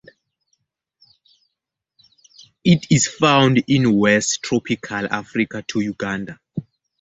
It is found in West Tropical Africa to Uganda.